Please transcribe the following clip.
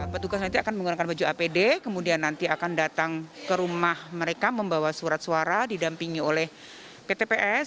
petugas nanti akan menggunakan baju apd kemudian nanti akan datang ke rumah mereka membawa surat suara didampingi oleh pt ps